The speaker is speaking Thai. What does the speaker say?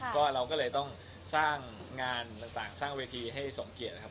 ก็เราก็เลยต้องสร้างงานต่างสร้างเวทีให้สมเกียจนะครับ